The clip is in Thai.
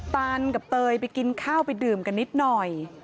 ตานกับเตยไปกินข้าวไปดื่มกันนิดหน่อย